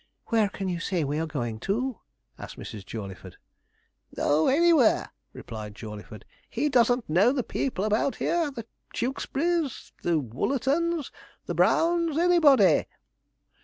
'Where can you say we are going to?' asked Mrs. Jawleyford. 'Oh, anywhere,' replied Jawleyford; 'he doesn't know the people about here: the Tewkesbury's, the Woolerton's, the Brown's anybody.'